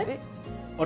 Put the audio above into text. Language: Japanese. あれ？